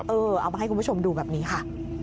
เอามาให้คุณผู้ชมดูแบบนี้ค่ะ